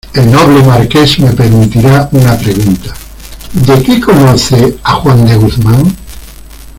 el noble Marqués me permitirá una pregunta: ¿ de qué conoce a Juan de Guzmán?